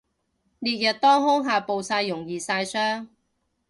烈日當空下暴曬容易曬傷